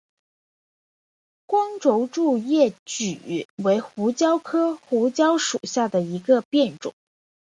光轴苎叶蒟为胡椒科胡椒属下的一个变种。